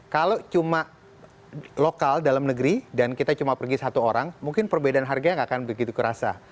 kalau cuma lokal dalam negeri dan kita cuma pergi satu orang mungkin perbedaan harganya nggak akan begitu kerasa